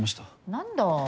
何だ。